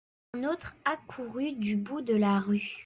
Un autre accourut du bout de la rue.